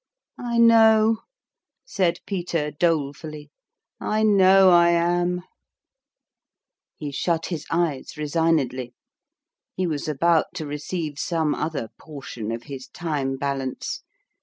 " I know," said Peter, dolefully," I know I am !" He shut his eyes resignedly. He was about to receive some other portion of his time bal ance.